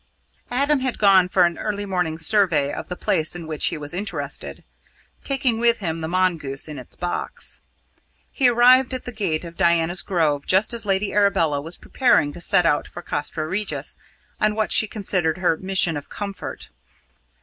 Adam had gone for an early morning survey of the place in which he was interested, taking with him the mongoose in its box. He arrived at the gate of Diana's Grove just as Lady Arabella was preparing to set out for Castra Regis on what she considered her mission of comfort.